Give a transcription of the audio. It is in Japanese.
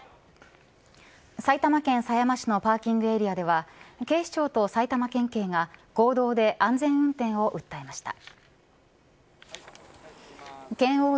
埼玉県狭山市のパーキングエリアでは警視庁と埼玉県警が合同で安全運転を訴えました。